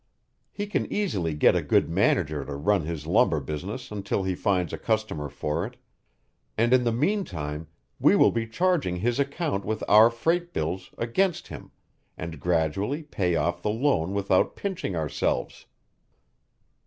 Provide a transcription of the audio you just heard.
He can easily get a good manager to run his lumber business until he finds a customer for it, and in the meantime we will be charging his account with our freight bills against him and gradually pay off the loan without pinching ourselves."